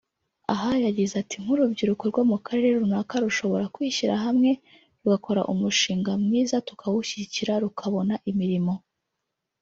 Aha yagize ati “Nk’urubyiruko rwo mu karere runaka rushobora kwishyira hamwe rugakora umushinga mwiza tukawushyigikira rukabona imirimo